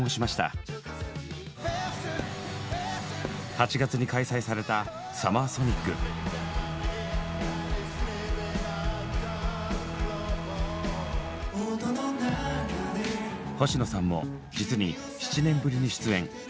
８月に開催された星野さんも実に７年ぶりに出演。